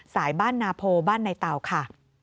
สายบ้านนาโพบ้านในเตาค่ะ